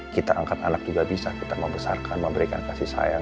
kita angkat anak juga bisa kita membesarkan memberikan kasih sayang